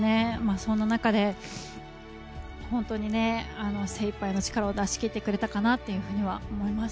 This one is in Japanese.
その中で、精いっぱいの力を出し切ってくれたかなと思います。